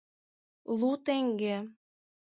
Лу теҥге!